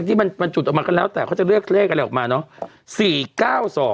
ที่มันจุดออกมาก็แล้วแต่เขาจะเลือกเลขอะไรออกมาเนอะ